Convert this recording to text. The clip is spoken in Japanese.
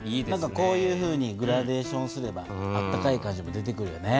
こういうふうにグラデーションすればあったかい感じも出てくるよね。